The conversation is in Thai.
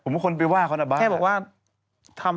มีคนไปว่าเขาเป็นบ้า